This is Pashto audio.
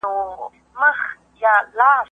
تخنیکي وسایل د تولید لګښت کموي.